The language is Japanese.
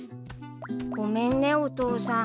［ごめんねお父さん］